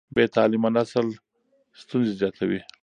بې تعليمه نسل ستونزې زیاتوي.